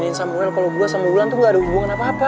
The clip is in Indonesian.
yakinin samuel kalau gue sama ulan tuh gak ada hubungan apa apa